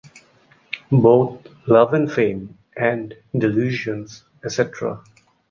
Both "Love and Fame" and "Delusions, Etc.